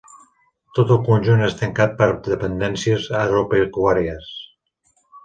Tot el conjunt és tancat per dependències agropecuàries.